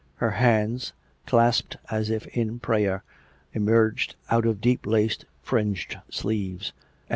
Her hands, clasped as if in prayer, emerged out of deep lace fringed sleeves, and were COME RACK!